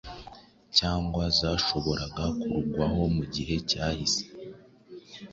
cyangwa zashoboraga kurugwaho mu gihe cyahise,